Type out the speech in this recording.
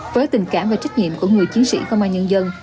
với tình cảm và trách nhiệm của người chiến sĩ công an nhân dân